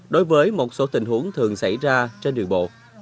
đối với một số tình huống thường xảy ra trên đường bộ